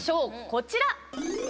こちら。